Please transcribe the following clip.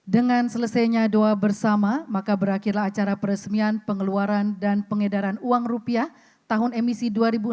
dengan selesainya doa bersama maka berakhirlah acara peresmian pengeluaran dan pengedaran uang rupiah tahun emisi dua ribu enam belas